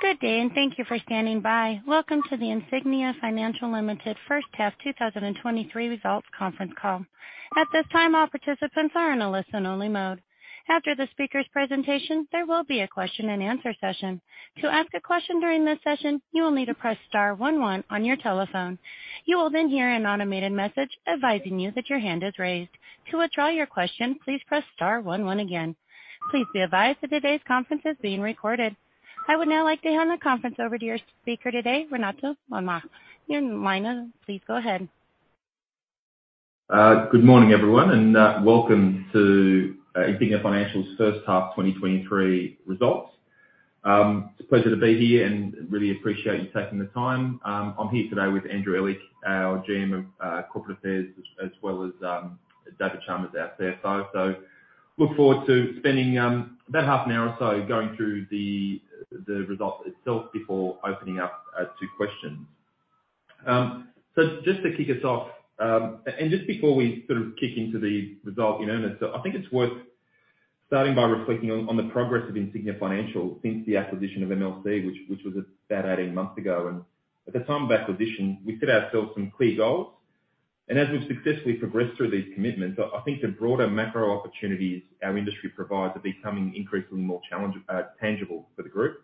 Good day, thank you for standing by. Welcome to the Insignia Financial Ltd First Half 2023 Results conference call. At this time, all participants are in a listen-only mode. After the speaker's presentation, there will be a question-and-answer session. To ask a question during this session, you will need to press star one one on your telephone. You will hear an automated message advising you that your hand is raised. To withdraw your question, please press star one one again. Please be advised that today's conference is being recorded. I would now like to hand the conference over to your speaker today, Renato Mota. Renato, please go ahead. Good morning, everyone, welcome to Insignia Financial's first half 2023 results. It's a pleasure to be here and really appreciate you taking the time. I'm here today with Andrew Ehlich, our GM of Corporate Affairs, as well as David Chalmers, our CFO. Look forward to spending about half an hour or so going through the results itself before opening up to questions. Just to kick us off, just before we sort of kick into the result in earnest, I think it's worth starting by reflecting on the progress of Insignia Financial since the acquisition of MLC, which was about 18 months ago. At the time of acquisition, we set ourselves some clear goals. As we've successfully progressed through these commitments, I think the broader macro opportunities our industry provides are becoming increasingly more tangible for the group.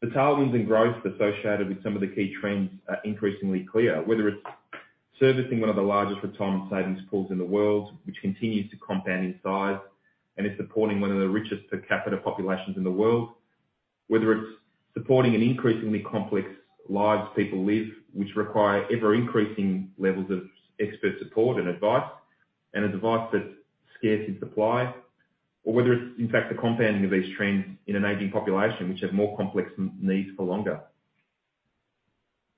The tailwinds and growth associated with some of the key trends are increasingly clear, whether it's servicing one of the largest retirement savings pools in the world, which continues to compound in size and is supporting one of the richest per capita populations in the world. Whether it's supporting an increasingly complex lives people live, which require ever-increasing levels of expert support and advice, and an advice that's scarce in supply. Whether it's in fact, the compounding of these trends in an aging population which have more complex needs for longer.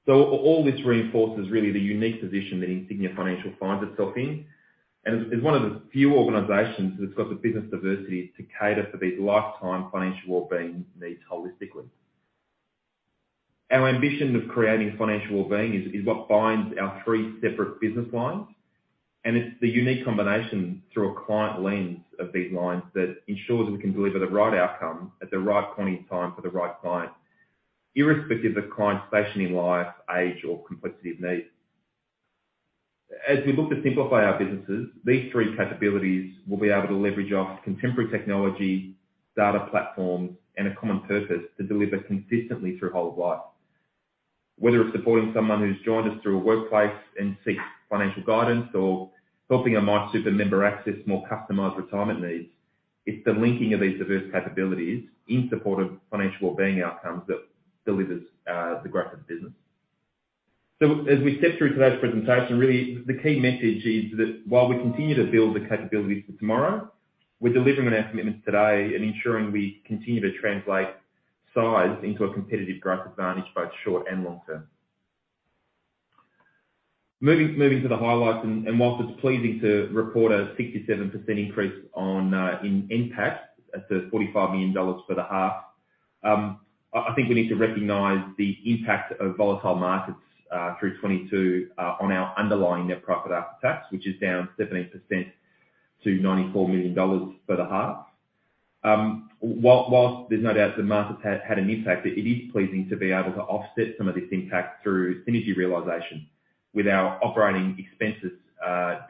All this reinforces really the unique position that Insignia Financial finds itself in. As one of the few organizations that's got the business diversity to cater for these lifetime financial wellbeing needs holistically. Our ambition of creating financial wellbeing is what binds our three separate business lines. It's the unique combination through a client lens of these lines that ensures we can deliver the right outcome at the right point in time for the right client, irrespective of client's station in life, age, or complexity of need. As we look to simplify our businesses, these three capabilities will be able to leverage off contemporary technology, data platforms, and a common purpose to deliver consistently through whole of life. Whether it's supporting someone who's joined us through a workplace and seeks financial guidance or helping a MySuper member access more customized retirement needs, it's the linking of these diverse capabilities in support of financial wellbeing outcomes that delivers the growth of the business. As we step through today's presentation, really the key message is that while we continue to build the capabilities for tomorrow, we're delivering on our commitments today and ensuring we continue to translate size into a competitive growth advantage, both short and long term. Moving to the highlights, and whilst it's pleasing to report a 67% increase in NPAT at 45 million dollars for the half, I think we need to recognize the impact of volatile markets through 2022 on our underlying net profit after tax, which is down 17% to 94 million dollars for the half. Whilst there's no doubt the markets had an impact, it is pleasing to be able to offset some of this impact through synergy realization with our operating expenses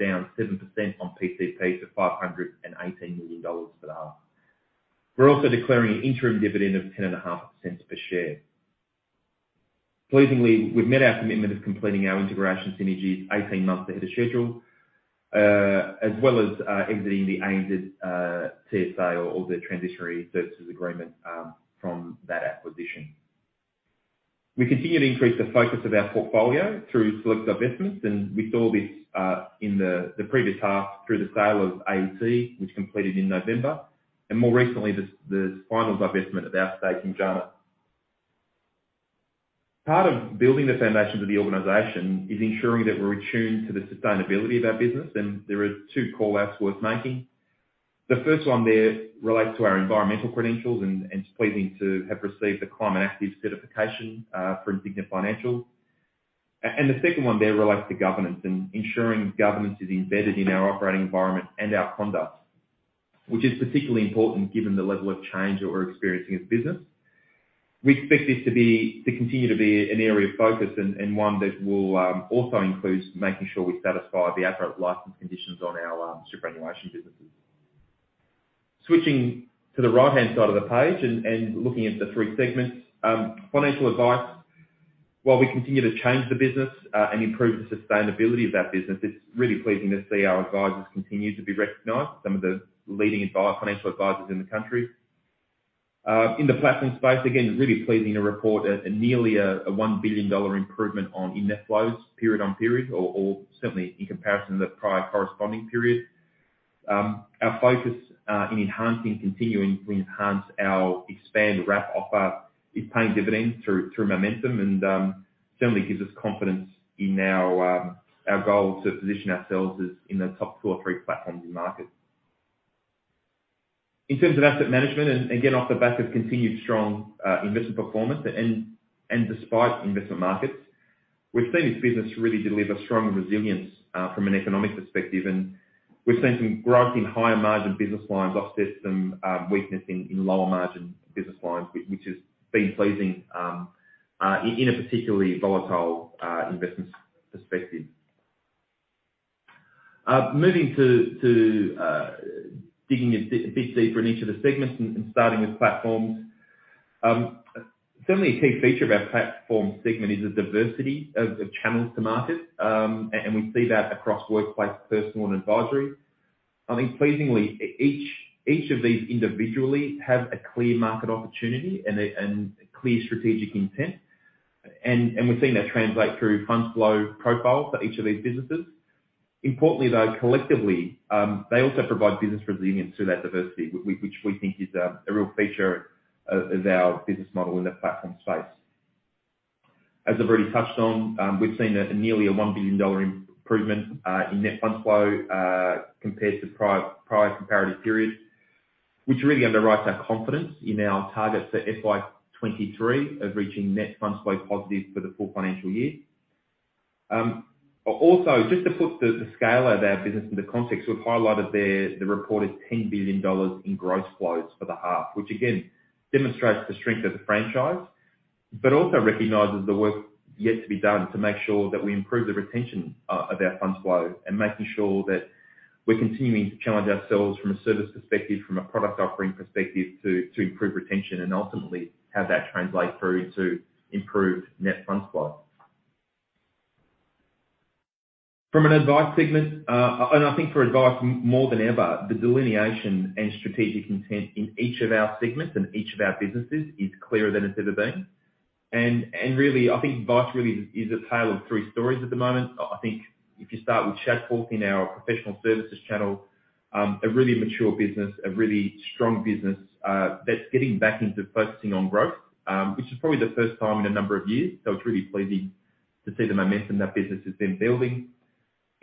down 7% on PCP to 518 million dollars for the half. We're also declaring an interim dividend of 0.105 per share. Pleasingly, we've met our commitment of completing our integration synergies 18 months ahead of schedule, as well as exiting the ANZ TSA or the Transitional Services Agreement from that acquisition. We continue to increase the focus of our portfolio through select divestments. We saw this in the previous half through the sale of AET, which completed in November, more recently, the final divestment of our stake in JANA. Part of building the foundations of the organization is ensuring that we're attuned to the sustainability of our business. There are two call-outs worth making. The first one there relates to our environmental credentials, and it's pleasing to have received the Climate Active certification for Insignia Financial. The second one there relates to governance and ensuring governance is embedded in our operating environment and our conduct, which is particularly important given the level of change that we're experiencing as a business. We expect this to continue to be an area of focus and one that will also include making sure we satisfy the appropriate license conditions on our superannuation businesses. Switching to the right-hand side of the page and looking at the three segments. Financial advice, while we continue to change the business and improve the sustainability of that business, it's really pleasing to see our advisors continue to be recognized, some of the leading financial advisors in the country. In the platform space, again, really pleasing to report a nearly 1 billion dollar improvement in net flows period on period or certainly in comparison to the prior corresponding period. Our focus in enhancing, continuing to enhance our expanded wrap offer is paying dividends through momentum and certainly gives us confidence in our goal to position ourselves as in the top two or three platforms in the market. In terms of asset management and again, off the back of continued strong investment performance and despite investment markets. We've seen this business really deliver strong resilience from an economic perspective, and we've seen some growth in higher margin business lines offset some weakness in lower margin business lines, which has been pleasing in a particularly volatile investment perspective. Moving to digging a bit deeper into the segments and starting with platforms. Certainly a key feature of our platform segment is the diversity of channels to market. We see that across workplace personal and advisory. I think pleasingly each of these individually have a clear market opportunity and clear strategic intent. We're seeing that translate through funds flow profile for each of these businesses. Importantly, though, collectively, they also provide business resilience through that diversity, which we think is a real feature of our business model in the platform space. As I've already touched on, we've seen a nearly a 1 billion dollar improvement in net funds flow compared to prior comparative periods, which really underwrites our confidence in our target for FY 2023 of reaching net funds flow positive for the full financial year. Also just to put the scale of our business into context, we've highlighted there the reported 10 billion dollars in gross flows for the half, which again, demonstrates the strength of the franchise, but also recognizes the work yet to be done to make sure that we improve the retention of our funds flow and making sure that we're continuing to challenge ourselves from a service perspective, from a product offering perspective, to improve retention and ultimately have that translate through to improved net funds flow. From an advice segment, and I think for advice more than ever, the delineation and strategic intent in each of our segments and each of our businesses is clearer than it's ever been. Really, I think advice really is a tale of three stories at the moment. I think if you start with Shadforth in our professional services channel, a really mature business, a really strong business, that's getting back into focusing on growth, which is probably the first time in a number of years. It's really pleasing to see the momentum that business has been building.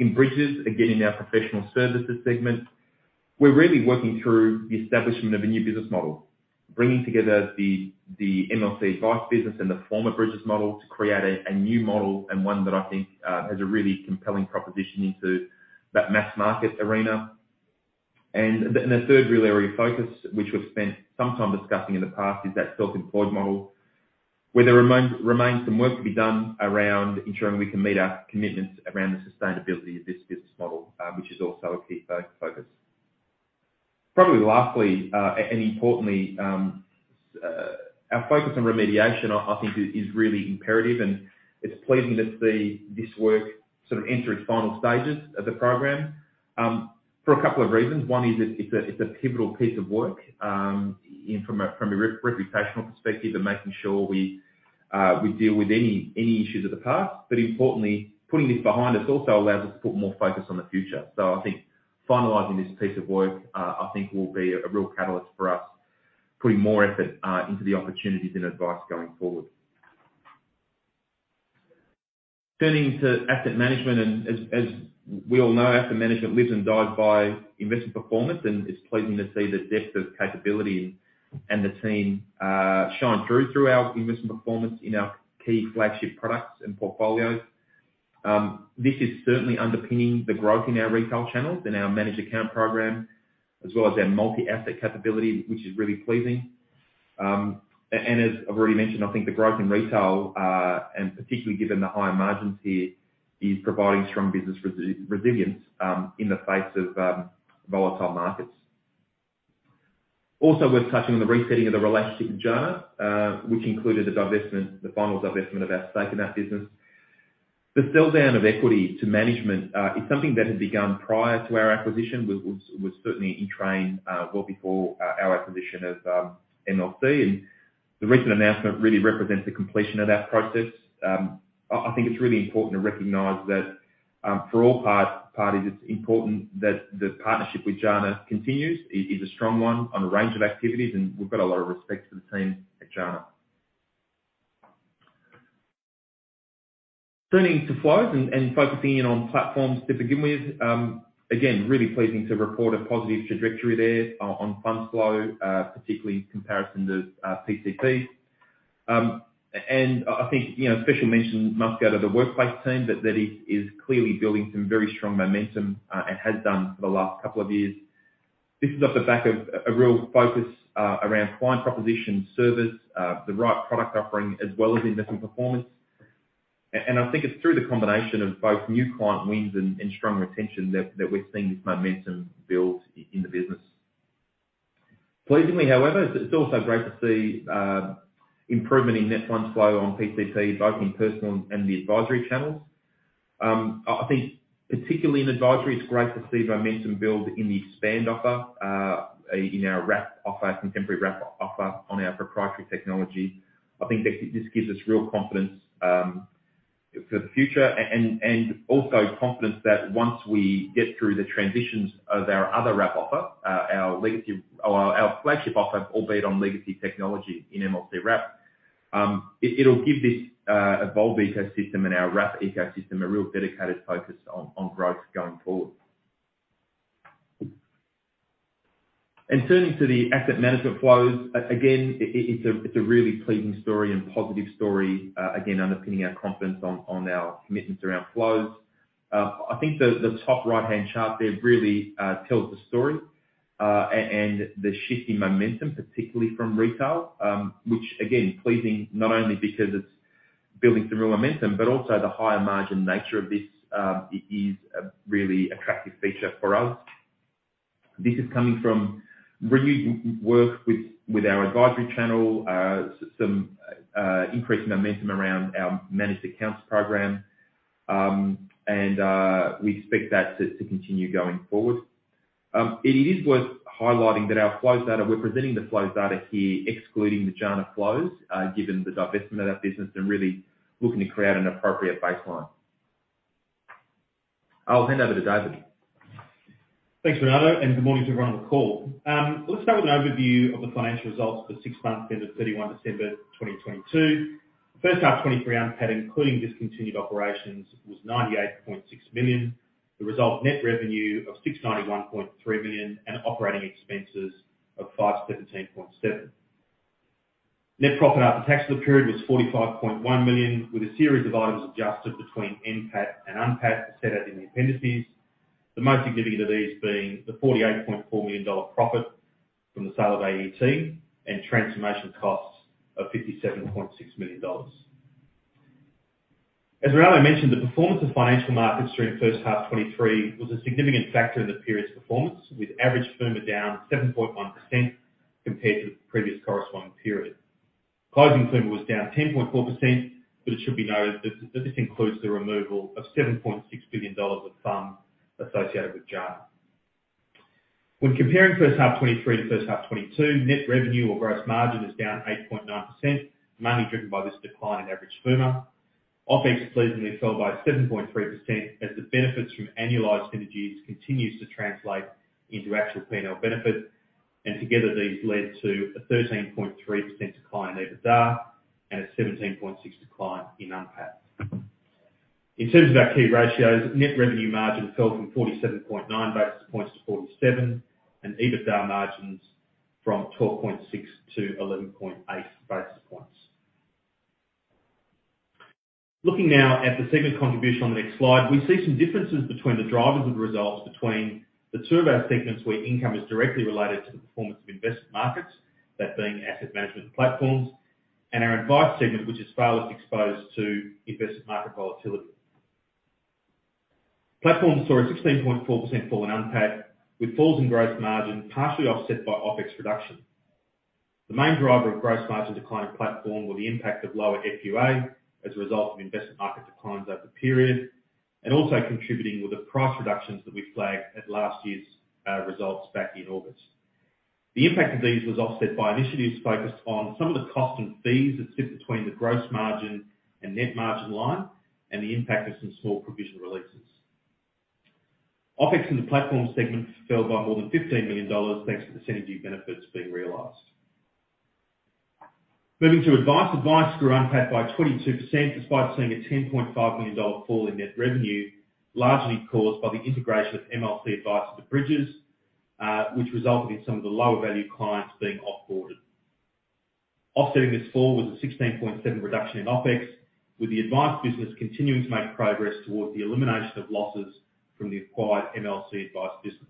In Bridges, again, in our professional services segment, we're really working through the establishment of a new business model, bringing together the MLC Advice business and the former Bridges model to create a new model and one that I think has a really compelling proposition into that mass market arena. The third real area of focus, which we've spent some time discussing in the past, is that self-employed model, where there remains some work to be done around ensuring we can meet our commitments around the sustainability of this business model, which is also a key focus. Probably lastly, and importantly, our focus on remediation, I think is really imperative, and it's pleasing to see this work sort of enter its final stages of the program, for a couple of reasons. One is it's a, it's a pivotal piece of work, in, from a, from a re-reputational perspective and making sure we deal with any issues of the past. Importantly, putting this behind us also allows us to put more focus on the future. I think finalizing this piece of work, I think will be a real catalyst for us putting more effort into the opportunities and advice going forward. Turning to asset management, as we all know, asset management lives and dies by investment performance, and it's pleasing to see the depth of capability and the team shine through our investment performance in our key flagship products and portfolios. This is certainly underpinning the growth in our retail channels and our managed account program, as well as our multi-asset capability, which is really pleasing. As I've already mentioned, I think the growth in retail, and particularly given the higher margins here, is providing strong business resilience in the face of volatile markets. Also worth touching on the resetting of the relationship with JANA, which included the divestment, the final divestment of our stake in that business. The sell down of equity to management is something that had begun prior to our acquisition. Was certainly in train well before our acquisition of MLC. And the recent announcement really represents the completion of that process. I think it's really important to recognize that for all parties, it's important that the partnership with JANA continues. It is a strong one on a range of activities, and we've got a lot of respect for the team at JANA. Turning to flows and focusing in on platforms to begin with, again, really pleasing to report a positive trajectory there on funds flow, particularly in comparison to PCP. I think, you know, special mention must go to the workplace team that is clearly building some very strong momentum and has done for the last couple of years. This is off the back of a real focus around client proposition service, the right product offering, as well as investment performance. I think it's through the combination of both new client wins and strong retention that we're seeing this momentum build in the business. Pleasingly, however, it's also great to see improvement in net funds flow on PCP, both in personal and the advisory channels. I think particularly in advisory, it's great to see momentum build in the expand offer, in our wrap offer, contemporary wrap offer on our proprietary technology. I think this gives us real confidence for the future and also confidence that once we get through the transitions of our other wrap offer. Our flagship offer, albeit on legacy technology in MLC Wrap, it'll give this Evolve ecosystem and our wrap ecosystem a real dedicated focus on growth going forward. Turning to the asset management flows, again, it's a really pleasing story and positive story, again, underpinning our confidence on our commitments around flows. I think the top right-hand chart there really tells the story, and the shift in momentum, particularly from retail, which again, pleasing not only because it's building some real momentum, but also the higher margin nature of this, is a really attractive feature for us. This is coming from really work with our advisory channel, some increased momentum around our managed accounts program, and we expect that to continue going forward. It is worth highlighting that our flows data, we're presenting the flows data here excluding the JANA flows, given the divestment of that business and really looking to create an appropriate baseline. I'll hand over to David. Thanks, Renato, good morning to everyone on the call. Let's start with an overview of the financial results for six months ending December 31 2022. First half 2023 NPAT, including discontinued operations, was 98.6 million, the result of net revenue of 691.3 million and operating expenses of 517.7 million. Net profit after tax for the period was 45.1 million, with a series of items adjusted between NPAT and NPAT as set out in the appendices. The most significant of these being the 48.4 million dollar profit from the sale of AET and transformation costs of 57.6 million dollars. As Renato mentioned, the performance of financial markets during the first half 2023 was a significant factor in the period's performance, with average FUMA down 7.1% compared to the previous corresponding period. Closing FUMA was down 10.4%, it should be noted that this includes the removal of 7.6 billion dollars of FUM associated with JANA. When comparing first half 2023 to first half 2022, net revenue or gross margin is down 8.9%, mainly driven by this decline in average FUMA. OpEx pleasantly fell by 7.3% as the benefits from annualized synergies continues to translate into actual P&L benefit. Together, these led to a 13.3% decline in EBITDA and a 17.6% decline in NPAT. In terms of our key ratios, net revenue margin fell from 47.9 basis points to 47, and EBITDA margins from 12.6 to 11.8 basis points. Looking now at the segment contribution on the next slide, we see some differences between the drivers of the results between the two of our segments where income is directly related to the performance of investment markets, that being asset management platforms, and our advice segment, which is farthest exposed to investment market volatility. Platforms saw a 16.4% fall in NPAT, with falls in gross margin partially offset by OpEx reduction. The main driver of gross margin decline in platform were the impact of lower FUA as a result of investment market declines over the period. Also contributing were the price reductions that we flagged at last year's results back in August. The impact of these was offset by initiatives focused on some of the costs and fees that sit between the gross margin and net margin line and the impact of some small provision releases. OpEx in the platform segment fell by more than 15 million dollars, thanks to the synergy benefits being realized. Moving to advice. Advice grew NPAT by 22% despite seeing a 10.5 million dollar fall in net revenue, largely caused by the integration of MLC Advice into Bridges, which resulted in some of the lower value clients being off-boarded. Offsetting this fall was a 16.7 reduction in OpEx, with the advice business continuing to make progress towards the elimination of losses from the acquired MLC Advice business.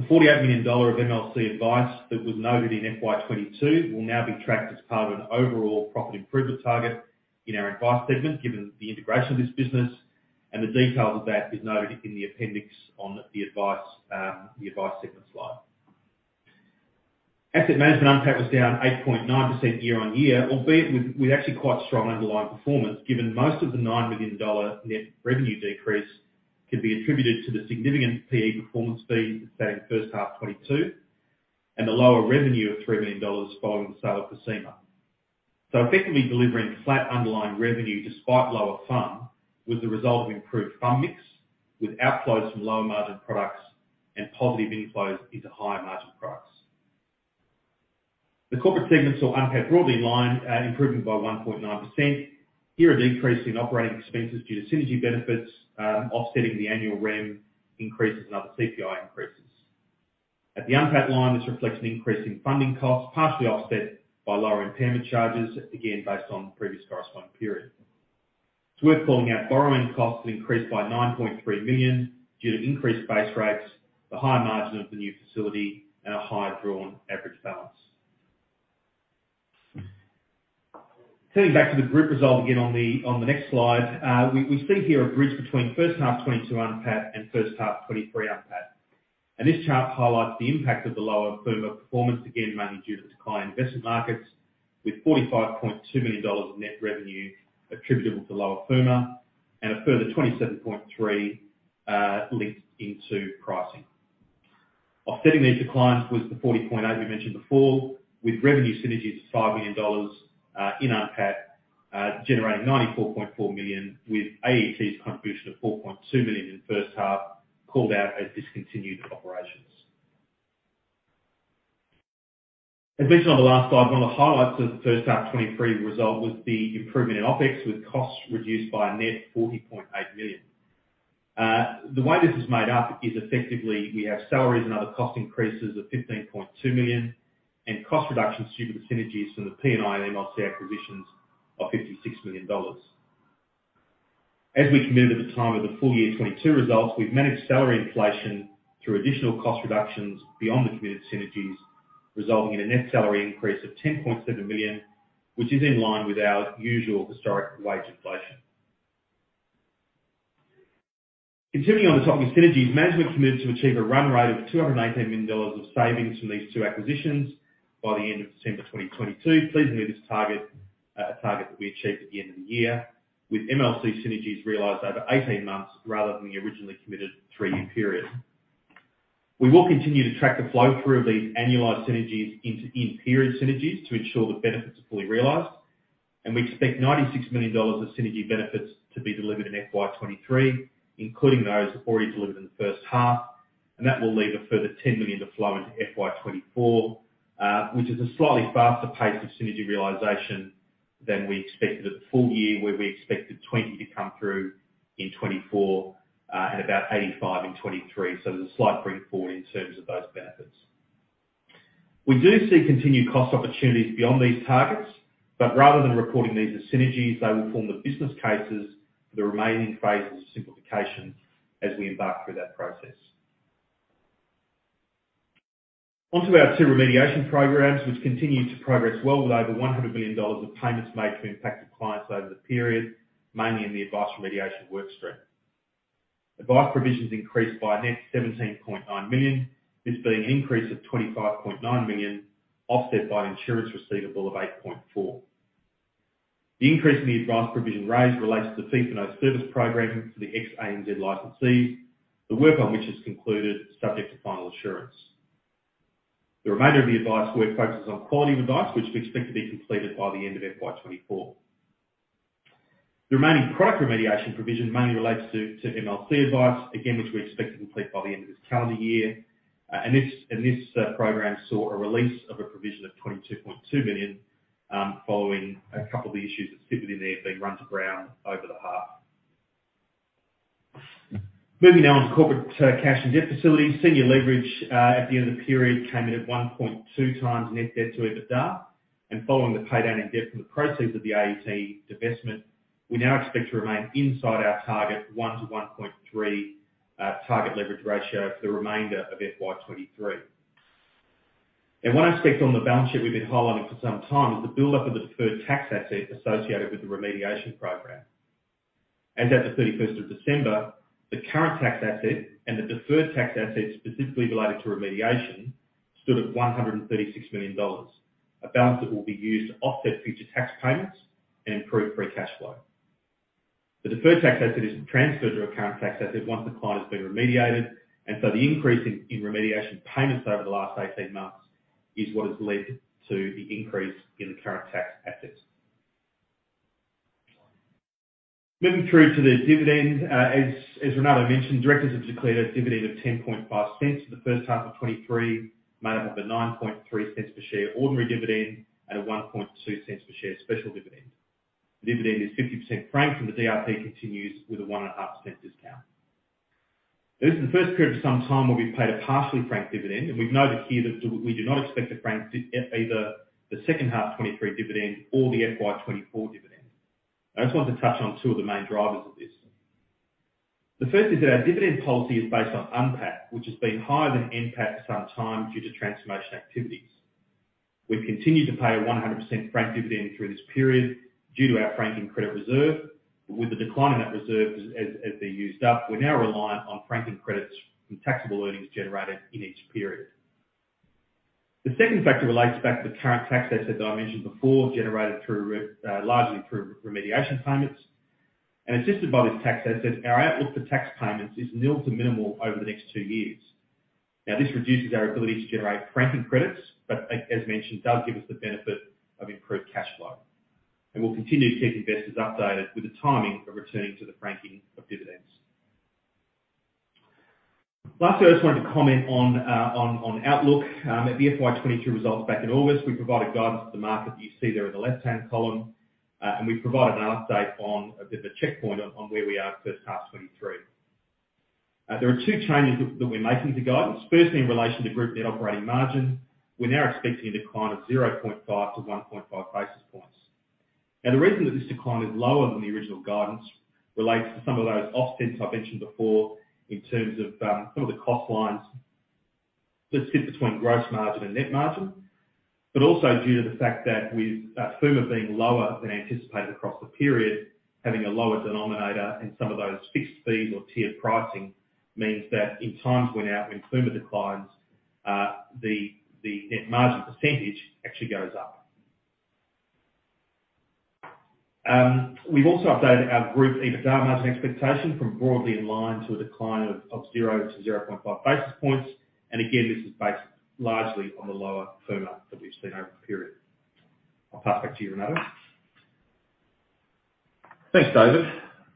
The 48 million dollar of MLC Advice that was noted in FY 2022 will now be tracked as part of an overall profit improvement target in our advice segment, given the integration of this business, and the details of that is noted in the appendix on the advice, the advice segment slide. Asset management NPAT was down 8.9% year on year, albeit with actually quite strong underlying performance, given most of the 9 million dollar net revenue decrease could be attributed to the significant PE performance fee paid in the first half 2022, and the lower revenue of 3 million dollars following the sale of Presima. Effectively delivering flat underlying revenue despite lower FUM was the result of improved FUM mix, with outflows from lower margin products and positive inflows into higher margin products. The corporate segment saw NPAT broadly in line, improving by 1.9%. Here an increase in operating expenses due to synergy benefits, offsetting the annual REM increases and other CPI increases. At the NPAT line, this reflects an increase in funding costs, partially offset by lower impairment charges, again, based on the previous corresponding period. It's worth calling out borrowing costs increased by 9.3 million due to increased base rates, the higher margin of the new facility, and a higher drawn average balance. Turning back to the group result again on the next slide. We see here a bridge between first half 2022 NPAT and first half 2023 NPAT. This chart highlights the impact of the lower FUMA performance, again, mainly due to the decline in investment markets, with 45.2 million dollars of net revenue attributable to lower FUMA and a further 27.3 linked into pricing. Offsetting these declines was the 40.8 we mentioned before, with revenue synergies of 5 million dollars in NPAT, generating 94.4 million, with AET's contribution of 4.2 million in the first half called out as discontinued operations. As mentioned on the last slide, one of the highlights of the first half 2023 result was the improvement in OpEx, with costs reduced by a net 40.8 million. The way this is made up is effectively we have salaries and other cost increases of 15.2 million and cost reductions due to synergies from the P&I and MLC acquisitions of 56 million dollars. As we committed at the time of the full year 2022 results, we've managed salary inflation through additional cost reductions beyond the committed synergies, resulting in a net salary increase of 10.7 million, which is in line with our usual historic wage inflation. Continuing on the topic of synergies, management committed to achieve a run rate of 218 million dollars of savings from these two acquisitions by the end of December 2022. Pleased to move this target, a target that we achieved at the end of the year, with MLC synergies realized over 18 months rather than the originally committed three year period. We will continue to track the flow through of these annualized synergies into in-period synergies to ensure the benefits are fully realized, and we expect 96 million dollars of synergy benefits to be delivered in FY 2023, including those already delivered in the first half. That will leave a further 10 million to flow into FY 2024, which is a slightly faster pace of synergy realization than we expected at the full year, where we expected 20 million to come through in 2024, and about 85 million in 2023. There's a slight bring forward in terms of those benefits. We do see continued cost opportunities beyond these targets, but rather than recording these as synergies, they will form the business cases for the remaining phases of simplification as we embark through that process. Onto our two remediation programs, which continued to progress well with over 100 million dollars of payments made to impacted clients over the period, mainly in the advice remediation work stream. Advice provisions increased by a net 17.9 million, this being an increase of 25.9 million, offset by insurance receivable of 8.4 million. The increase in the advice provision raised relates to the fee for no service program for the ex-ANZ licensees, the work on which is concluded subject to final assurance. The remainder of the advice work focuses on Quality of Advice, which we expect to be completed by the end of FY 2024. The remaining product remediation provision mainly relates to MLC Advice, again, which we expect to complete by the end of this calendar year. This program saw a release of a provision of 22.2 million following a couple of the issues that sit within there being run to ground over the half. Moving now to corporate cash and debt facilities. Senior leverage at the end of the period came in at 1.2x net debt to EBITDA. Following the pay down in debt from the proceeds of the AET divestment, we now expect to remain inside our target 1 to 1.3 target leverage ratio for the remainder of FY 2023. One aspect on the balance sheet we've been highlighting for some time is the buildup of the deferred tax asset associated with the remediation program. As at the 31st of December, the current tax asset and the deferred tax asset specifically related to remediation stood at 136 million dollars, a balance that will be used to offset future tax payments and improve free cash flow. The deferred tax asset is transferred to a current tax asset once the client has been remediated, the increase in remediation payments over the last 18 months is what has led to the increase in the current tax assets. Moving through to the dividend, as Renato mentioned, directors have declared a dividend of 0.105 for the first half of 2023, made up of a 0.093 per share ordinary dividend and a 0.012 per share special dividend. The dividend is 50% franked. The DRP continues with a one and a half cent discount. This is the first period for some time where we've paid a partially franked dividend. We've noted here that we do not expect to frank either the second half 2023 dividend or the FY 2024 dividend. I just want to touch on two of the main drivers of this. The first is that our dividend policy is based on UNPAT, which has been higher than NPAT for some time due to transformation activities. We've continued to pay a 100% franked dividend through this period due to our franking credit reserve. With the decline in that reserve as they're used up, we're now reliant on franking credits from taxable earnings generated in each period. The second factor relates back to the current tax asset that I mentioned before, generated largely through remediation payments. Assisted by this tax asset, our outlook for tax payments is nil to minimal over the next two years. This reduces our ability to generate franking credits, but as mentioned, does give us the benefit of improved cash flow. We'll continue to keep investors updated with the timing of returning to the franking of dividends. Lastly, I just wanted to comment on outlook. At the FY 2022 results back in August, we provided guidance to the market that you see there in the left-hand column. We've provided an update on a bit of a checkpoint on where we are first half 2023. There are two changes that we're making to guidance. In relation to group net operating margin, we're now expecting a decline of 0.5-1.5 basis points. The reason that this decline is lower than the original guidance relates to some of those offsets I mentioned before in terms of some of the cost lines that sit between gross margin and net margin. Also due to the fact that with FUMA being lower than anticipated across the period, having a lower denominator and some of those fixed fees or tiered pricing means that in times when FUMA declines, the net margin percentage actually goes up. We've also updated our group EBITDA margin expectation from broadly in line to a decline of 0-0.5 basis points. Again, this is based largely on the lower FUMA that we've seen over the period. I'll pass back to you, Renato. Thanks, David.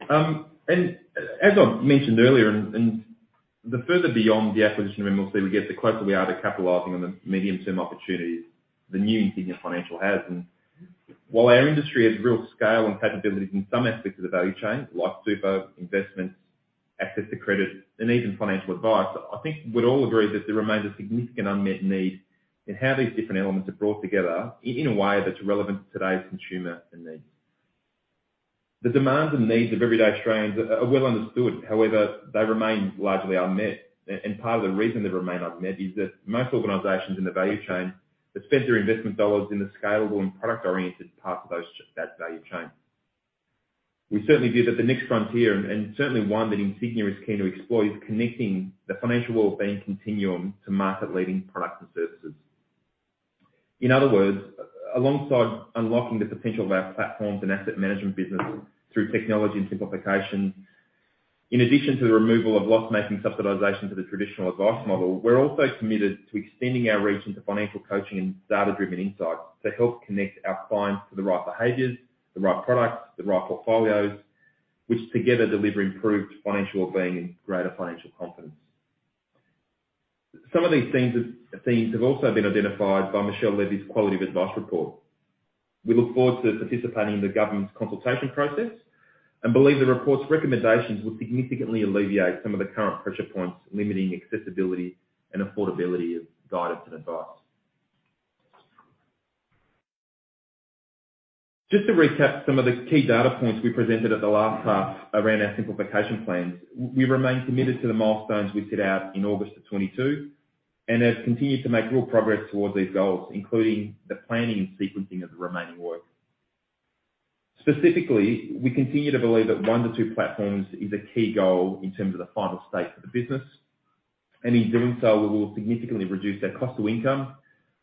As I've mentioned earlier, and the further beyond the acquisition of MLC we get, the closer we are to capitalizing on the medium-term opportunities the new Insignia Financial has. While our industry has real scale and capabilities in some aspects of the value chain, like super investments, access to credit, and even financial advice, I think we'd all agree that there remains a significant unmet need in how these different elements are brought together in a way that's relevant to today's consumer and needs. The demands and needs of everyday Australians are well understood. However, they remain largely unmet. Part of the reason they remain unmet is that most organizations in the value chain have spent their investment dollars in the scalable and product-oriented part of that value chain. We certainly view that the next frontier, and certainly one that Insignia is keen to explore, is connecting the financial wellbeing continuum to market-leading products and services. In other words, alongside unlocking the potential of our platforms and asset management business through technology and simplification, in addition to the removal of loss-making subsidization to the traditional advice model, we're also committed to extending our reach into financial coaching and data-driven insights to help connect our clients to the right behaviors, the right products, the right portfolios, which together deliver improved financial wellbeing and greater financial confidence. Some of these themes have also been identified by Michelle Levy's Quality of Advice Report. We look forward to participating in the government's consultation process and believe the report's recommendations will significantly alleviate some of the current pressure points limiting accessibility and affordability of guidance and advice. Just to recap some of the key data points we presented at the last half around our simplification plans, we remain committed to the milestones we set out in August 2022, and have continued to make real progress towards these goals, including the planning and sequencing of the remaining work. Specifically, we continue to believe that one to two platforms is a key goal in terms of the final state of the business. In doing so, we will significantly reduce our cost to income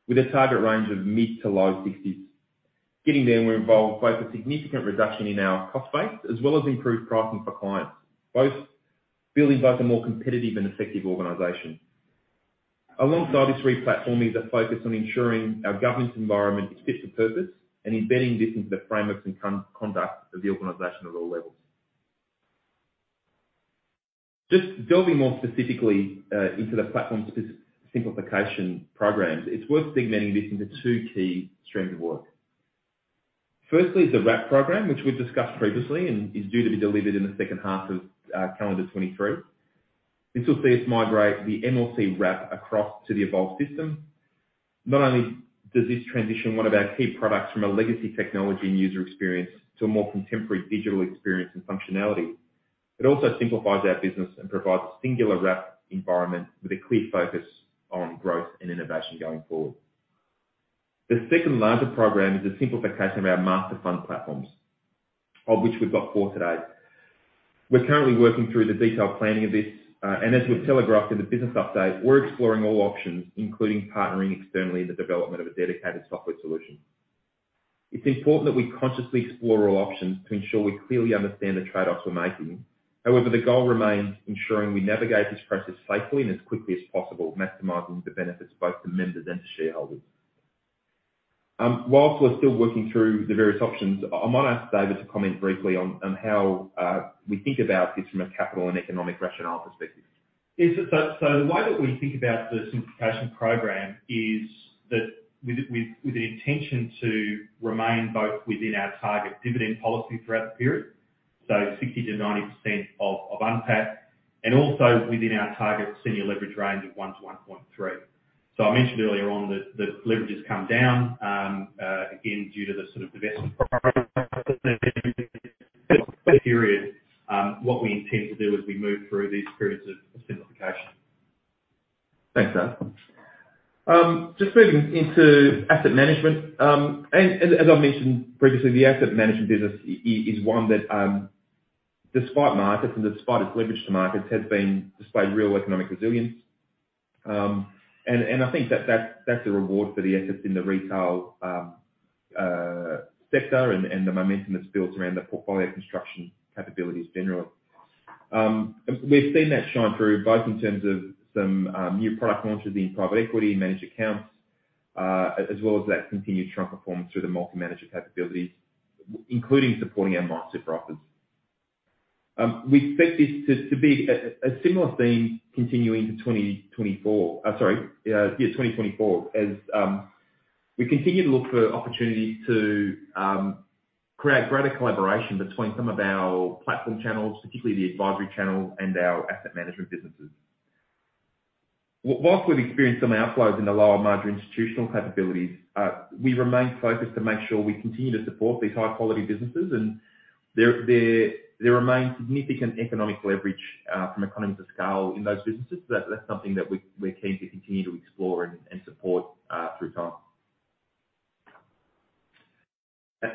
with a target range of mid-to-low 60s. Getting there will involve both a significant reduction in our cost base as well as improved pricing for clients, building a more competitive and effective organization. Alongside this replatforming is a focus on ensuring our governance environment is fit for purpose and embedding this into the frameworks and conduct of the organization at all levels. Just delving more specifically into the platform simplification programs, it's worth segmenting this into two key streams of work. Firstly, is the wrap program, which we've discussed previously and is due to be delivered in the second half of calendar 2023. This will see us migrate the MLC Wrap across to the Evolve system. Not only does this transition one of our key products from a legacy technology and user experience to a more contemporary digital experience and functionality, it also simplifies our business and provides a singular wrap environment with a clear focus on growth and innovation going forward. The second larger program is a simplification of our master fund platforms, of which we've got four today. We're currently working through the detailed planning of this. As we've telegraphed in the business update, we're exploring all options, including partnering externally in the development of a dedicated software solution. It's important that we consciously explore all options to ensure we clearly understand the trade-offs we're making. However, the goal remains ensuring we navigate this process safely and as quickly as possible, maximizing the benefits both to members and to shareholders. While we're still working through the various options, I might ask David to comment briefly on how we think about this from a capital and economic rationale perspective. Yes. The way that we think about the simplification program is that with the intention to remain both within our target dividend policy throughout the period, 60%-90% of UNPAT, and also within our target senior leverage range of 1:113. I mentioned earlier on that leverage has come down again, due to the sort of divestment program period, what we intend to do as we move through these periods of simplification. Thanks, Dave. Just moving into asset management. As I mentioned previously, the asset management business is one that, despite markets and despite its leverage to markets, has displayed real economic resilience. I think that's, that's a reward for the assets in the retail sector and the momentum that's built around the portfolio construction capabilities generally. We've seen that shine through both in terms of some new product launches in private equity and managed accounts, as well as that continued strong performance through the multi-manager capabilities, including supporting our MySuper offers. We expect this to be a similar theme continuing to 2024. Sorry, yeah, 2024 as we continue to look for opportunities to create greater collaboration between some of our platform channels, particularly the advisory channel and our asset management businesses. Whilst we've experienced some outflows in the lower margin institutional capabilities, we remain focused to make sure we continue to support these high-quality businesses and there remains significant economic leverage from economies of scale in those businesses. That's something that we're keen to continue to explore and support through time.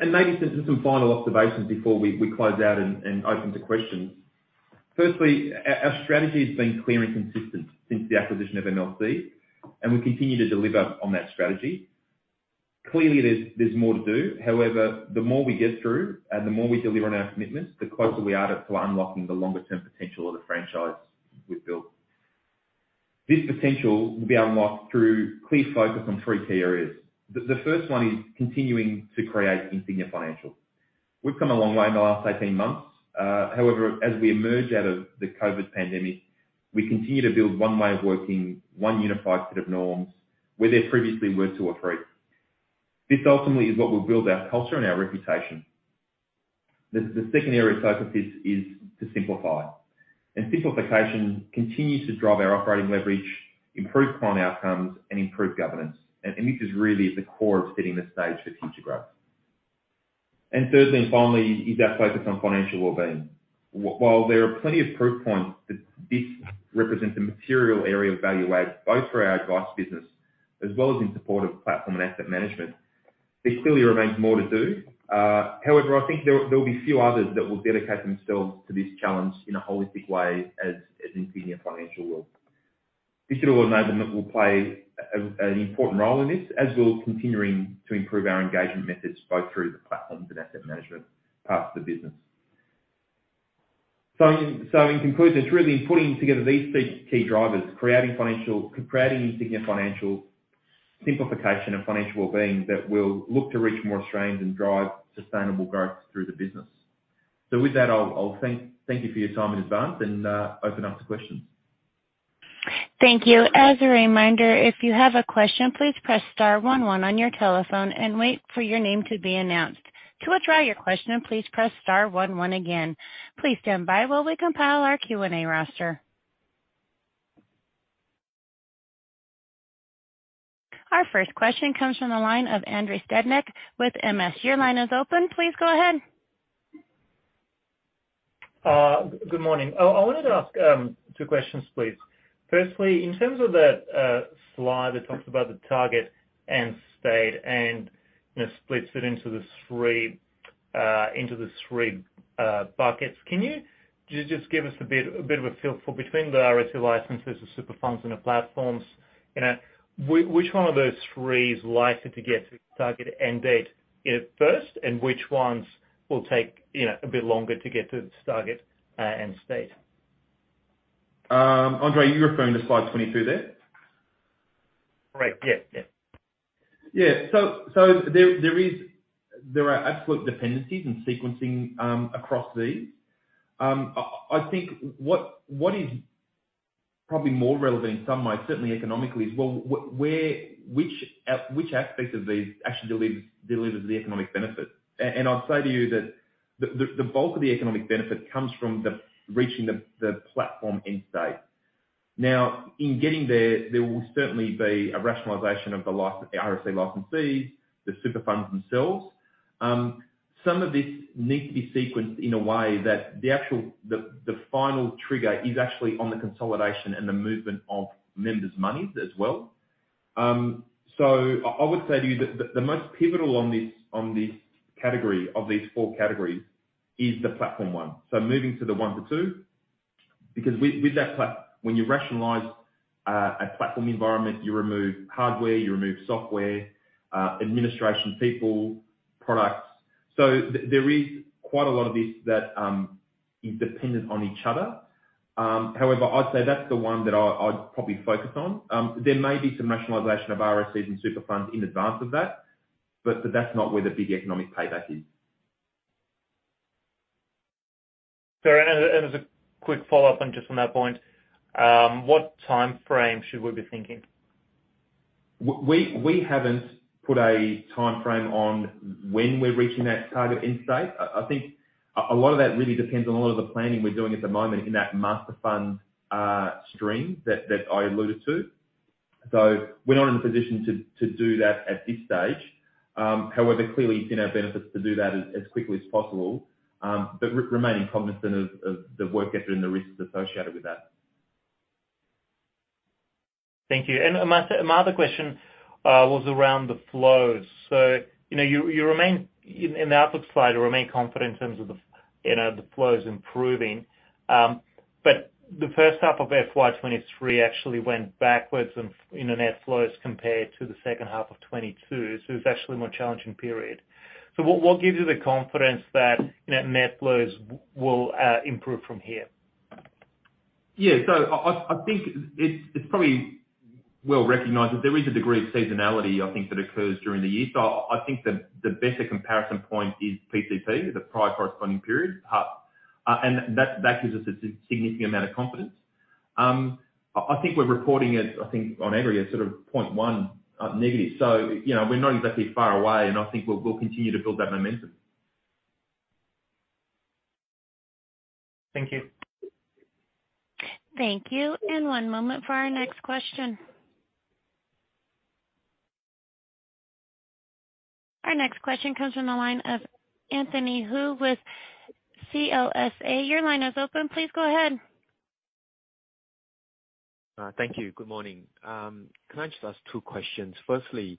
Maybe some final observations before we close out and open to questions. Firstly, our strategy has been clear and consistent since the acquisition of MLC, and we continue to deliver on that strategy. Clearly, there's more to do. However, the more we get through and the more we deliver on our commitments, the closer we are to unlocking the longer-term potential of the franchise we've built. This potential will be unlocked through clear focus on three key areas. The first one is continuing to create Insignia Financial. We've come a long way in the last 18 months. However, as we emerge out of the COVID pandemic, we continue to build one way of working, one unified set of norms where there previously were two or three. This ultimately is what will build our culture and our reputation. The second area of focus is to simplify. Simplification continues to drive our operating leverage, improve client outcomes, and improve governance. This is really at the core of setting the stage for future growth. Thirdly and finally is our focus on financial wellbeing. While there are plenty of proof points that this represents a material area of value add, both for our advice business as well as in support of platform and asset management, there clearly remains more to do. However, I think there will be few others that will dedicate themselves to this challenge in a holistic way as Insignia Financial will. Digital enablement will play an important role in this, as will continuing to improve our engagement methods both through the platforms and asset management parts of the business. In conclusion, it's really in putting together these three key drivers: creating financial, creating Insignia Financial, simplification of financial wellbeing, that we'll look to reach more Australians and drive sustainable growth through the business. With that, I'll thank you for your time in advance and open up to questions. Thank you. As a reminder, if you have a question, please press star one one on your telephone and wait for your name to be announced. To withdraw your question, please press star one one again. Please stand by while we compile our Q&A roster. Our first question comes from the line of Andrei Stadnik with MS. Your line is open. Please go ahead. Good morning. I wanted to ask two questions, please. Firstly, in terms of the slide that talks about the target end state and, you know, splits it into the three into the three buckets, can you just give us a bit of a feel for between the RSE licenses, the super funds and the platforms, you know, which one of those three is likely to get to target end date, you know, first, and which ones will take, you know, a bit longer to get to its target end state? Andrei, are you referring to slide 22 there? Right. Yeah, yeah. There is, there are absolute dependencies and sequencing across these. I think what is probably more relevant in some ways, certainly economically, is well, where, which aspect of these actually delivers the economic benefit. I'd say to you that the bulk of the economic benefit comes from reaching the platform end state. Now, in getting there will certainly be a rationalization of the RSE licensees, the super funds themselves. Some of this needs to be sequenced in a way that the actual, the final trigger is actually on the consolidation and the movement of members' monies as well. I would say to you that the most pivotal on this category of these four categories is the platform one. Moving to the one to two because with that when you rationalize a platform environment, you remove hardware, you remove software, administration people, products. There is quite a lot of this that is dependent on each other. However, I'd say that's the one that I'd probably focus on. There may be some rationalization of RSUs and super funds in advance of that, but that's not where the big economic payback is. Sorry, as a quick follow-up on just from that point, what timeframe should we be thinking? We haven't put a timeframe on when we're reaching that target end state. I think a lot of that really depends on a lot of the planning we're doing at the moment in that master fund stream that I alluded to. We're not in a position to do that at this stage. However, clearly it's in our benefits to do that as quickly as possible, but remaining cognizant of the work effort and the risks associated with that. Thank you. My other question was around the flows. You know, you remain in the outlook slide or remain confident in terms of, you know, the flows improving. The first half of FY 2023 actually went backwards in the net flows compared to the second half of 2022. It's actually a more challenging period. What gives you the confidence that, you know, net flows will improve from here? Yeah. I think it's probably well recognized that there is a degree of seasonality I think that occurs during the year. I think the better comparison point is PCP, the prior corresponding period. That gives us a significant amount of confidence. I think we're reporting it, I think on every as sort of -0.1. You know, we're not exactly far away, and I think we'll continue to build that momentum. Thank you. Thank you. One moment for our next question. Our next question comes from the line of Anthony Hu with CLSA. Your line is open. Please go ahead. Thank you. Good morning. Can I just ask two questions? Firstly,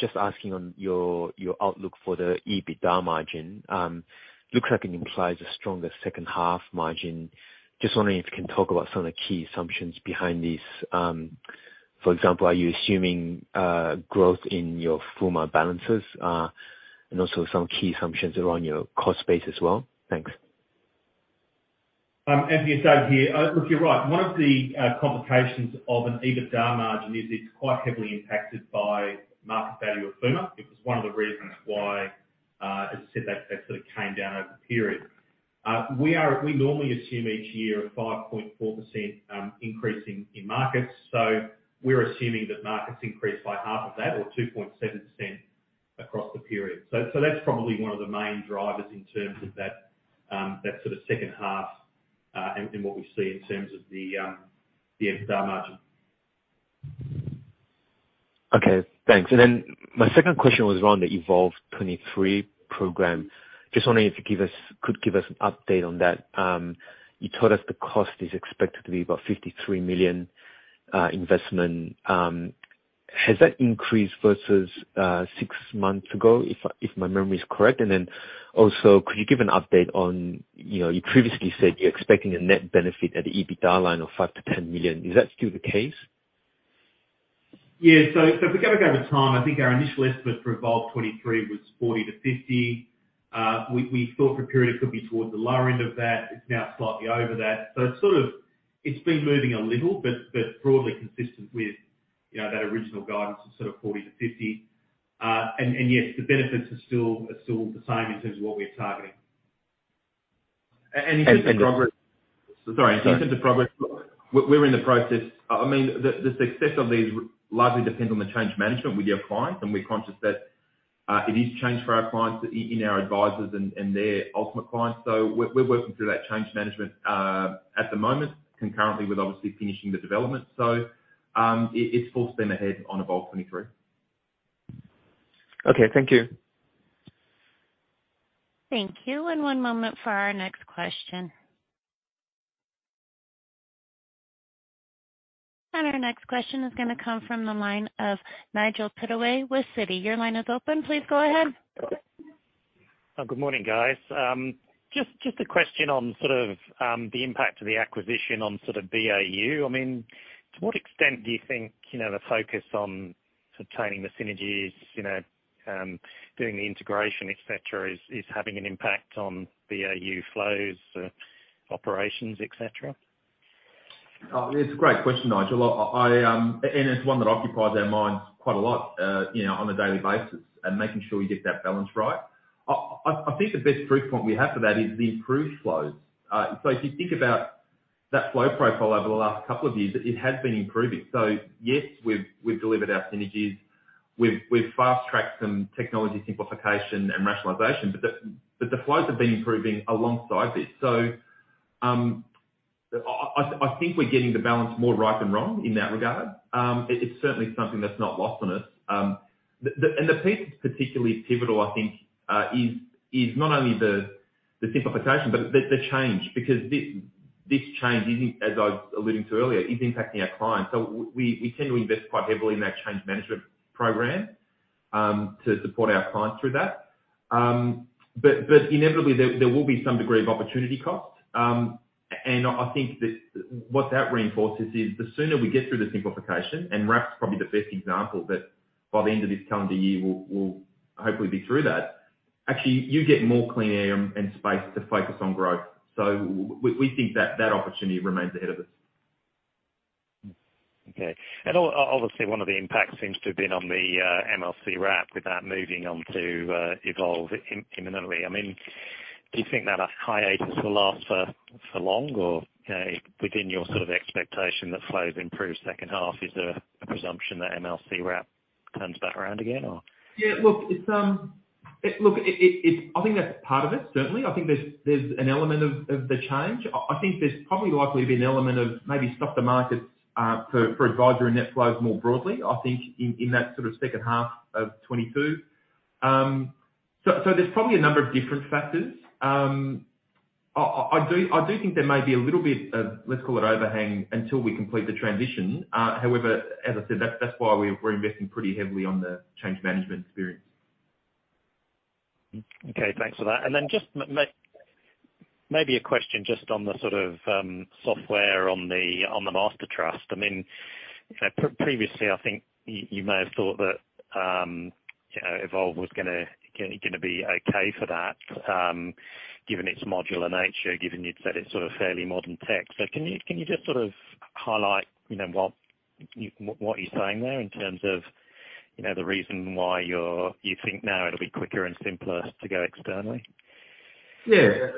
just asking on your outlook for the EBITDA margin. Looks like it implies a stronger second half margin. Just wondering if you can talk about some of the key assumptions behind this. For example, are you assuming growth in your FUMA balances and also some key assumptions around your cost base as well? Thanks. As you said here, look, you're right. One of the complications of an EBITDA margin is it's quite heavily impacted by market value of FUMA, which is one of the reasons why, as I said, that sort of came down over the period. We normally assume each year a 5.4% increase in markets. We're assuming that markets increase by half of that or 2.7% across the period. That's probably one of the main drivers in terms of that sort of second half in what we see in terms of the EBITDA margin. Okay, thanks. My second question was around the Evolve 2023 program. Just wondering if you could give us an update on that. You told us the cost is expected to be about 53 million investment. Has that increased versus six months ago, if my memory is correct? Also, could you give an update on, you know, you previously said you're expecting a net benefit at the EBITDA line of 5 million-10 million. Is that still the case? Yeah. If we go back over time, I think our initial estimate for Evolve 2023 was 40 to 50. We thought for a period it could be towards the lower end of that. It's now slightly over that. It's sort of been moving a little, but broadly consistent with, you know, that original guidance of sort of 40 to 50. And yes, the benefits are still the same in terms of what we're targeting. In terms of progress. Sorry, in terms of progress, look, we're in the process. I mean, the success of these largely depends on the change management with your clients, and we're conscious that it is change for our clients in our advisors and their ultimate clients. We're working through that change management at the moment, concurrently with obviously finishing the development. It's full steam ahead on Evolve 2023. Okay, thank you. Thank you. One moment for our next question. Our next question is gonna come from the line of Nigel Pittaway with Citi. Your line is open. Please go ahead. Good morning, guys. Just a question on sort of, the impact of the acquisition on sort of BAU. I mean, to what extent do you think, you know, the focus on obtaining the synergies, you know, doing the integration, et cetera, is having an impact on BAU flows, operations, et cetera? It's a great question, Nigel. I, and it's one that occupies our minds quite a lot, you know, on a daily basis and making sure we get that balance right. I, I think the best proof point we have for that is the improved flows. If you think about that flow profile over the last couple of years, it has been improving. Yes, we've delivered our synergies. We've, we've fast-tracked some technology simplification and rationalization. The flows have been improving alongside this. I, I think we're getting the balance more right than wrong in that regard. It's certainly something that's not lost on us. The piece that's particularly pivotal, I think, is not only the simplification but the change, because this change is, as I was alluding to earlier, is impacting our clients. We continue to invest quite heavily in that change management program, to support our clients through that. Inevitably there will be some degree of opportunity cost. And I think that what that reinforces is the sooner we get through the simplification, and Wrap's probably the best example that by the end of this calendar year, we'll hopefully be through that. Actually, you get more clean air and space to focus on growth. We think that that opportunity remains ahead of us. Obviously one of the impacts seems to have been on the MLC Wrap with that moving on to Evolve imminently. I mean, do you think that hiatus will last for long? Or, you know, within your sort of expectation that flows improve second half, is there a presumption that MLC Wrap turns back around again or? Yeah, look, it's, look, it's I think that's part of it, certainly. I think there's an element of the change. I think there's probably likely be an element of maybe stop the market for advisor and net flows more broadly, I think in that sort of second half of 2022. There's probably a number of different factors. I do think there may be a little bit of, let's call it overhang until we complete the transition. As I said, that's why we're investing pretty heavily on the change management experience. Thanks for that. Just may, maybe a question just on the sort of, software on the, on the Master Trust. I mean, you know, previously, I think you may have thought that, you know, Evolve was gonna be okay for that, given its modular nature, given you'd said it's sort of fairly modern tech. Can you just sort of highlight, you know, what you're saying there in terms of, you know, the reason why you're you think now it'll be quicker and simpler to go externally? Yeah.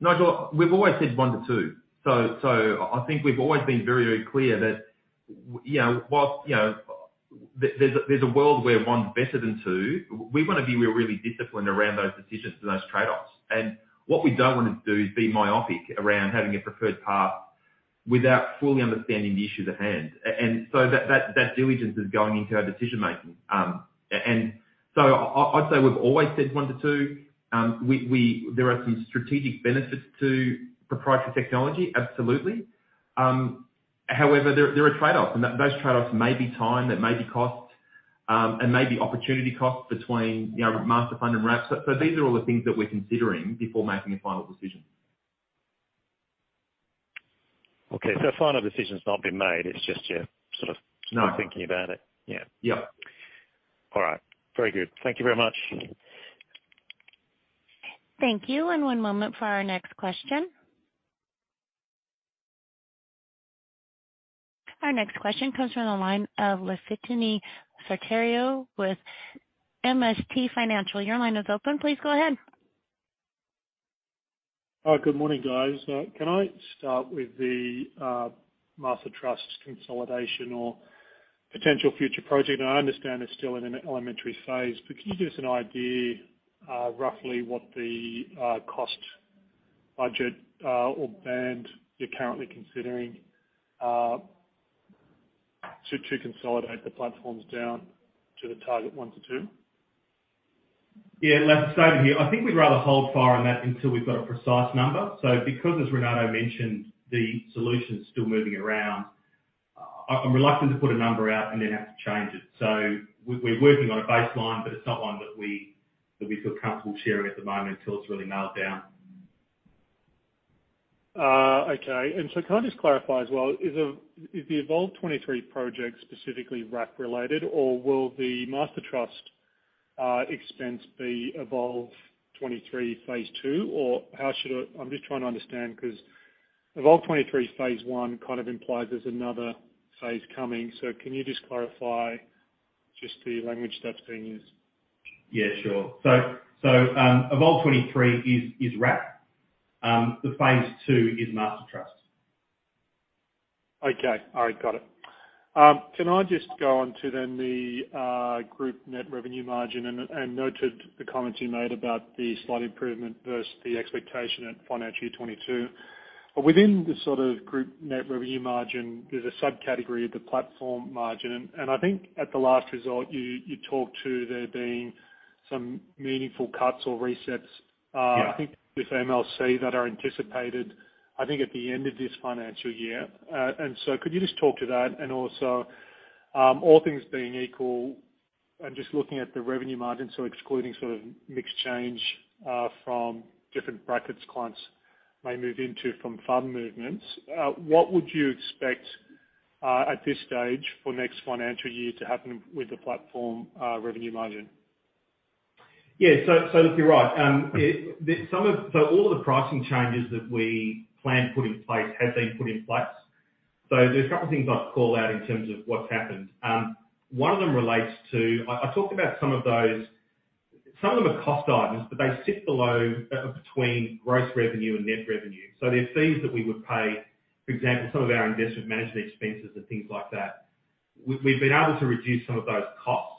Nigel, we've always said one to two. I think we've always been very clear that, you know, whilst, you know, there's a, there's a world where 1's better than two, we wanna be really disciplined around those decisions and those trade-offs. What we don't wanna do is be myopic around having a preferred path without fully understanding the issues at hand. That diligence is going into our decision making. I'd say we've always said one to two. There are some strategic benefits to proprietary technology, absolutely. However, there are trade-offs, and those trade-offs may be time, they may be cost, and may be opportunity cost between, you know, master fund and wrap. These are all the things that we're considering before making a final decision. A final decision's not been made, it's just you're sort of. No. Still thinking about it. Yeah. Yeah. All right. Very good. Thank you very much. Thank you. One moment for our next question. Our next question comes from the line of Lafitani Sotiriou with MST Financial. Your line is open. Please go ahead. Good morning, guys. Can I start with the Master Trust consolidation or potential future project? I understand it's still in an elementary phase, but can you give us an idea, roughly what the cost budget, or band you're currently considering, to consolidate the platforms down to the target one to two? Laf, it's David here. I think we'd rather hold fire on that until we've got a precise number. Because, as Renato mentioned, the solution's still moving around, I'm reluctant to put a number out and then have to change it. We're working on a baseline, but it's not one that we feel comfortable sharing at the moment until it's really nailed down. Okay. Can I just clarify as well, is the Evolve 2023 project specifically wrap related, or will the Master Trust expense be Evolve 2023 phase II? How should I? I'm just trying to understand, 'cause Evolve 2023 phase I kind of implies there's another phase coming. Can you just clarify just the language that's being used? Sure. Evolve 2023 is wrap. The phase II is Master Trust. Okay. All right, got it. Can I just go on to then the group net revenue margin and noted the comments you made about the slight improvement versus the expectation at financial year 2022. Within the sort of group net revenue margin, there's a subcategory of the platform margin. I think at the last result, you talked to there being some meaningful cuts or resets. Yeah. I think with MLC that are anticipated, I think, at the end of this financial year. Could you just talk to that? Also, all things being equal and just looking at the revenue margin, so excluding sort of mixed change, from different brackets clients may move into from fund movements, what would you expect, at this stage for next financial year to happen with the platform, revenue margin? Yeah. Look, you're right. All of the pricing changes that we planned put in place have been put in place. There's a couple things I'd call out in terms of what's happened. One of them relates to... I talked about some of those. Some of them are cost items, but they sit below between gross revenue and net revenue. They're fees that we would pay, for example, some of our investment management expenses and things like that. We've been able to reduce some of those costs,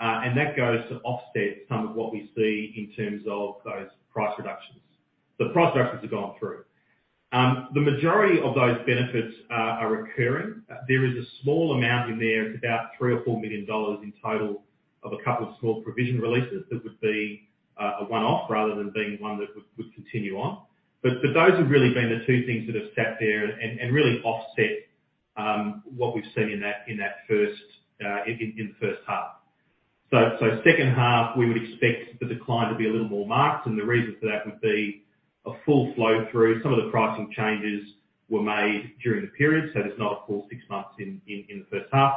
that goes to offset some of what we see in terms of those price reductions. The price reductions have gone through. The majority of those benefits are recurring. There is a small amount in there. It's about 3 million or 4 million dollars in total of a couple of small provision releases that would be a one-off rather than being one that would continue on. Those have really been the two things that have sat there and really offset what we've seen in that first half. Second half, we would expect the decline to be a little more marked, and the reason for that would be a full flow-through. Some of the pricing changes were made during the period, there's not a full six months in the first half.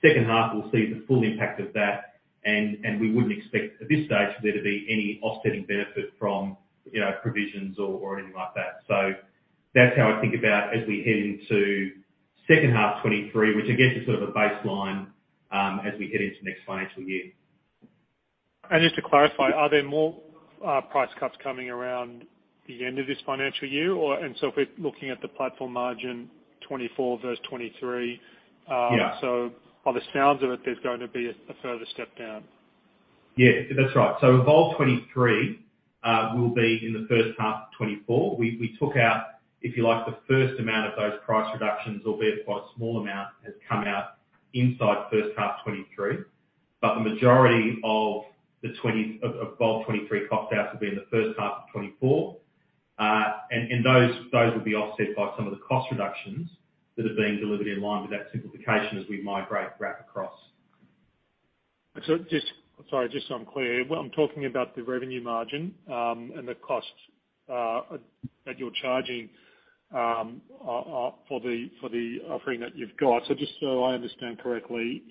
Second half, we'll see the full impact of that and we wouldn't expect at this stage for there to be any offsetting benefit from, you know, provisions or anything like that. That's how I think about as we head into second half 2023, which I guess is sort of a baseline, as we head into next financial year. Just to clarify, are there more price cuts coming around the end of this financial year or? If we're looking at the platform margin 2024 versus 2023... Yeah. By the sounds of it, there's going to be a further step down. That's right. Evolve 2023 will be in the first half of 2024. We took out, if you like, the first amount of those price reductions, albeit quite a small amount, has come out inside first half 2023. The majority of Evolve 2023 cost outs will be in the first half of 2024. Those will be offset by some of the cost reductions that are being delivered in line with that simplification as we migrate wrap across. Sorry, just so I'm clear, what I'm talking about the revenue margin, and the costs that you're charging for the offering that you've got. Just so I understand correctly,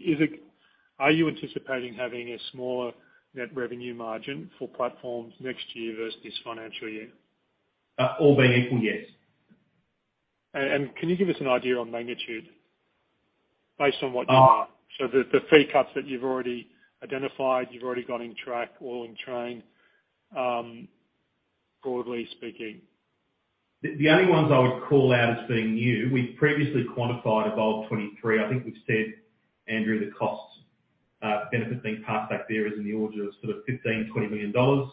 are you anticipating having a smaller net revenue margin for platforms next year versus this financial year? All being equal, yes. Can you give us an idea on magnitude based on what? Uh- The fee cuts that you've already identified, you've already got in track or in train, broadly speaking. The only ones I would call out as being new, we've previously quantified Evolve 2023. I think we've said, Andrew, the costs, benefit being passed back there is in the order of 15 million-20 million dollars.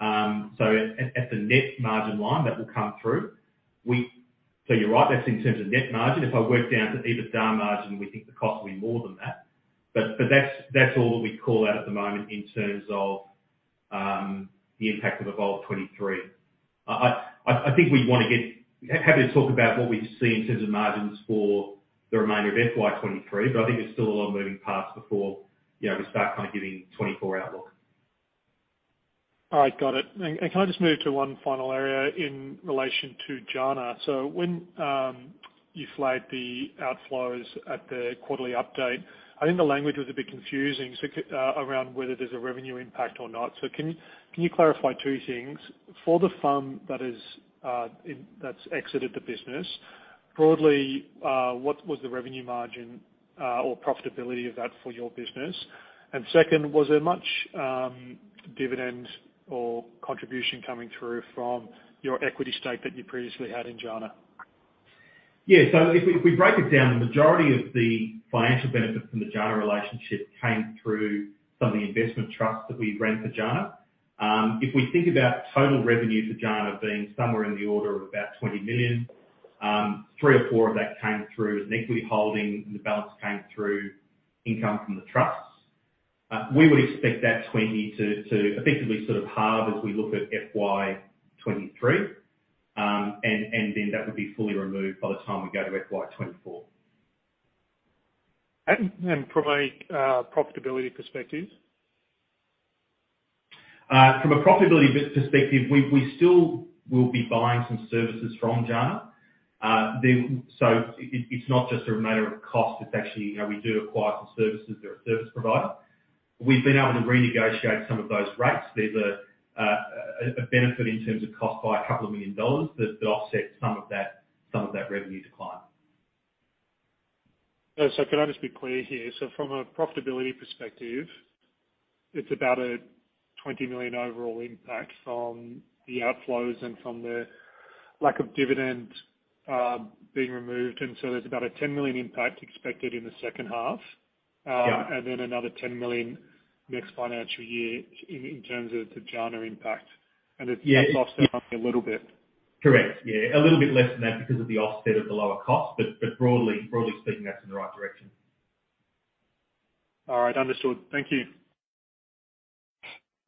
At the net margin line, that will come through. You're right, that's in terms of net margin. If I work down to EBITDA margin, we think the cost will be more than that. That's all that we call out at the moment in terms of the impact of Evolve 2023. I think we wanna get happy to talk about what we see in terms of margins for the remainder of FY 2023, I think there's still a lot of moving parts before, you know, we start kind of giving 2024 outlook. All right. Got it. Can I just move to one final area in relation to JANA? When you flagged the outflows at the quarterly update, I think the language was a bit confusing around whether there's a revenue impact or not. Can you clarify two things? For the fund that is that's exited the business, broadly, what was the revenue margin or profitability of that for your business? Second, was there much dividends or contribution coming through from your equity stake that you previously had in JANA? If we break it down, the majority of the financial benefit from the JANA relationship came through from the investment trusts that we ran for JANA. If we think about total revenue for JANA being somewhere in the order of about 20 million, three or four of that came through as an equity holding and the balance came through income from the trusts. We would expect that 20 to effectively sort of halve as we look at FY 2023. And then that would be fully removed by the time we go to FY 2024. From a profitability perspective? From a profitability perspective, we still will be buying some services from JANA. It's not just a matter of cost, it's actually, you know, we do acquire some services. They're a service provider. We've been able to renegotiate some of those rates. There's a benefit in terms of cost by a couple of million dollars that offsets some of that revenue decline. Can I just be clear here? From a profitability perspective, it's about an 20 million overall impact from the outflows and from the lack of dividend, being removed. There's about an 10 million impact expected in the second half. Yeah. Another 10 million next financial year in terms of the JANA impact. Yeah [crostalk]. Offset only a little bit. Correct. Yeah. A little bit less than that because of the offset of the lower cost. Broadly speaking, that's in the right direction. All right. Understood. Thank you.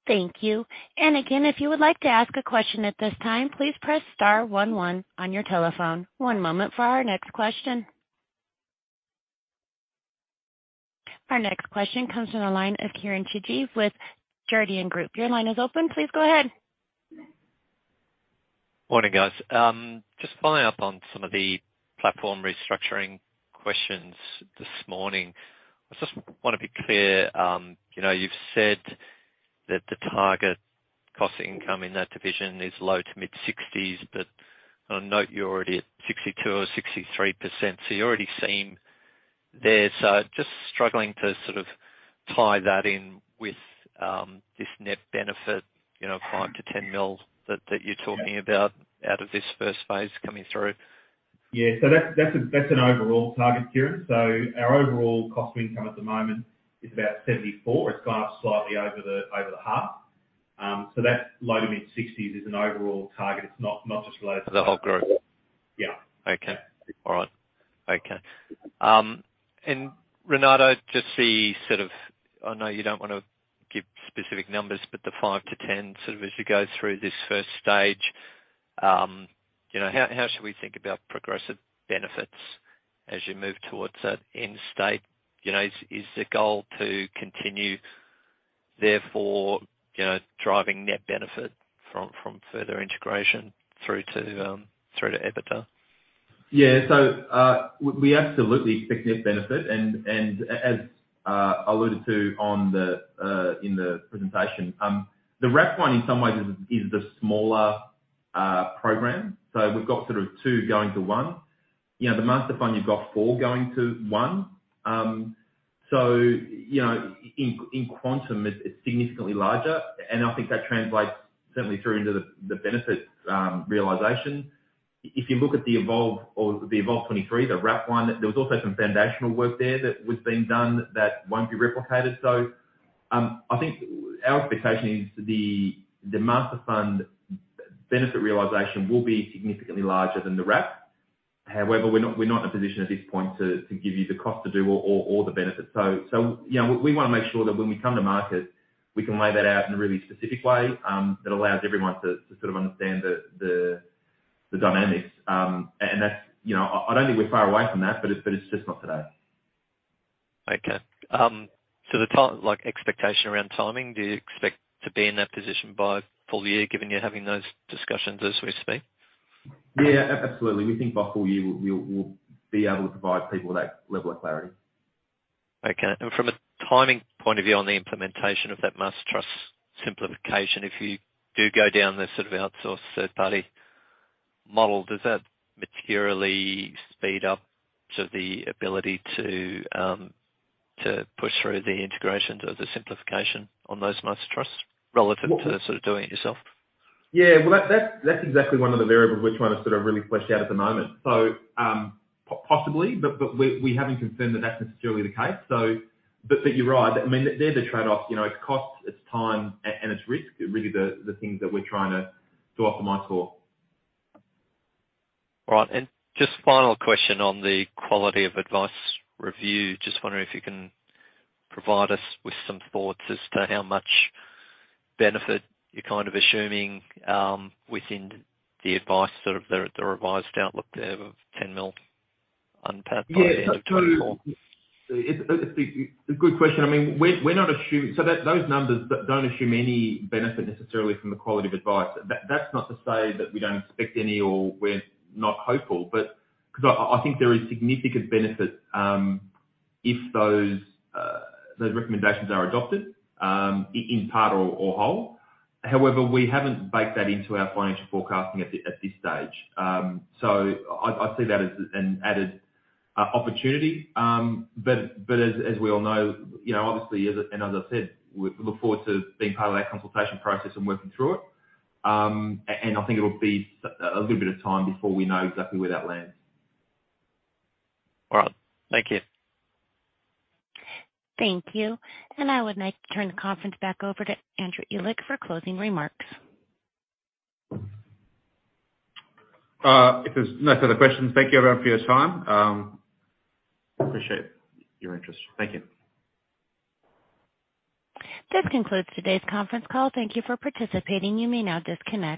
Thank you. Again, if you would like to ask a question at this time, please press star one one on your telephone. One moment for our next question. Our next question comes from the line of Kieran Tucci with Jarden. Your line is open. Please go ahead. Morning, guys. Just following up on some of the platform restructuring questions this morning. I just wanna be clear. You know, you've said that the target cost to income in that division is low to mid-60s. On a note, you're already at 62% or 63%. You're already seen there. Just struggling to sort of tie that in with this net benefit, you know, 5 million-10 million that you're talking about out of this first phase coming through. Yeah. That's an overall target, Kieran. Our overall cost to income at the moment is about 74%. It's gone up slightly over the half. That low to mid-60s% is an overall target. It's not just related to. The whole group. Yeah. Okay. All right. Okay. Renato, I know you don't wanna give specific numbers, but the five to 10, sort of as you go through this first stage, you know, how should we think about progressive benefits as you move towards that end state? You know, is the goal to continue therefore, you know, driving net benefit from further integration through to EBITDA? We, we absolutely expect net benefit. As alluded to on the in the presentation, the wrap one in some ways is the smaller program. We've got sort of two going to one. You know, the Master Fund, you've got four going to one. You know, in quantum it's significantly larger, and I think that translates certainly through into the benefit realization. If you look at the Evolve or the Evolve 2023, the wrap one, there was also some foundational work there that was being done that won't be replicated. I think our expectation is the Master Fund benefit realization will be significantly larger than the wrap. However, we're not in a position at this point to give you the cost to do or the benefit. You know, we wanna make sure that when we come to market, we can lay that out in a really specific way, that allows everyone to sort of understand the dynamics. That's, you know. I don't think we're far away from that, but it's just not today. Okay. like, expectation around timing, do you expect to be in that position by full year given you're having those discussions as we speak? Absolutely. We think by full year we'll be able to provide people that level of clarity. Okay. From a timing point of view on the implementation of that Master Trust simplification, if you do go down the sort of outsourced third party model, does that materially speed up sort of the ability to to push through the integration to the simplification on those Master Trusts relative to sort of doing it yourself? Yeah. Well, that's exactly one of the variables we're trying to sort of really flesh out at the moment. Possibly, but we haven't confirmed that that's necessarily the case. But you're right. I mean, they're the trade-offs. You know, it's cost, it's time, and it's risk are really the things that we're trying to optimize for. All right. Just final question on the Quality of Advice review. Just wondering if you can provide us with some thoughts as to how much benefit you're kind of assuming, within the advice, sort of the revised outlook there of 10 million UNPAT? Yeah.It's a good question. I mean, we're not assuming. Those numbers don't assume any benefit necessarily from the Quality of Advice. That's not to say that we don't expect any or we're not hopeful, but 'cause I think there is significant benefit if those recommendations are adopted in part or whole. However, we haven't baked that into our financial forecasting at this stage. I see that as an added opportunity. But as we all know, you know, obviously, as I and as I said, we look forward to being part of that consultation process and working through it. And I think it'll be a little bit of time before we know exactly where that lands. All right. Thank you. Thank you. I would like to turn the conference back over to Andrew Ehlich for closing remarks. If there's no further questions, thank you everyone for your time. Appreciate your interest. Thank you. This concludes today's conference call. Thank you for participating. You may now disconnect.